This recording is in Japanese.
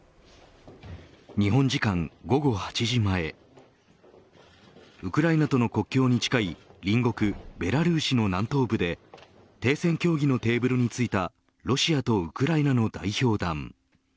日本時間午後８時前ウクライナとの国境に近い隣国ベラルーシの南東部で停戦協議のテーブルについたロシアとウクライナの代表団。